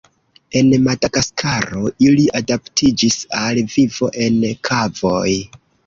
En Madagaskaro ili adaptiĝis al vivo en kavoj.